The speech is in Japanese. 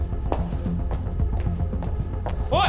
おい！